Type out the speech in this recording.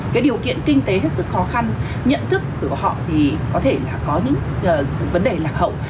cái điều kiện kinh tế hết sức khó khăn nhận thức của họ thì có thể là có những vấn đề lạc hậu